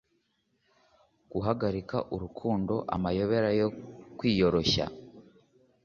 guhagarika urukundo, amayobera yo kwiyoroshya